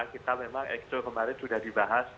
kita memang exco kemarin sudah dibahas